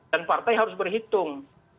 dan partai harus berhitung